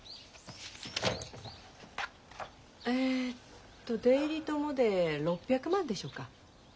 えっと出入りともで６００万でしょうか。